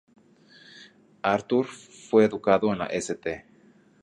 Arthur fue educado en la St.